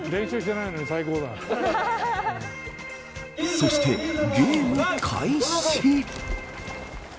そして、ゲーム開始。